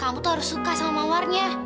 kamu tuh harus suka sama mawarnya